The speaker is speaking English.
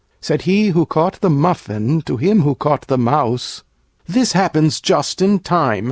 Said he who caught the Muffin to him who caught the Mouse, "This happens just in time!